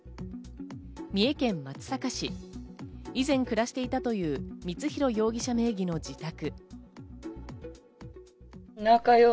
三重県松阪市、以前暮らしていたという光弘容疑者名義の自宅。